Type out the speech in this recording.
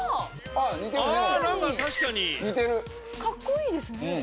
かっこいいですね！